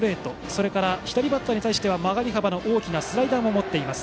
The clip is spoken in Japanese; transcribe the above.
それから左バッターに対しては曲がり幅の大きなスライダーも持っています。